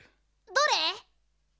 どれ？